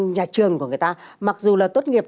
nhà trường của người ta mặc dù là tốt nghiệp